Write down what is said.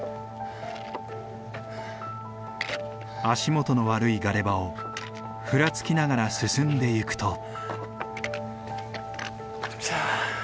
足元の悪いガレ場をふらつきながら進んでいくと。